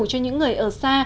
cho những người ở xa